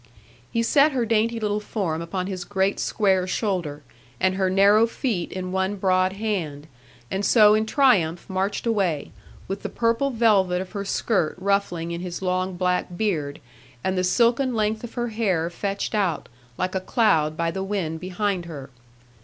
He set her dainty little form upon his great square shoulder, and her narrow feet in one broad hand; and so in triumph marched away, with the purple velvet of her skirt ruffling in his long black beard, and the silken length of her hair fetched out, like a cloud by the wind behind her.